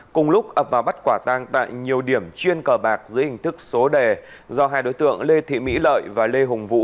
cùng lúc ập vào bắt quả tang tại nhiều điểm chuyên cờ bạc giữa hình thức số đề do hai đối tượng lê thị mỹ lợi và lê hùng vũ